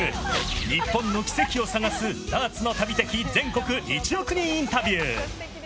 ニッポンのキセキを探すダーツの旅的全国１億人インタビュー。